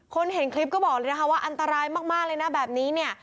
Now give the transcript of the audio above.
เห็นคลิปก็บอกเลยนะคะว่าอันตรายมากเลยนะแบบนี้เนี่ย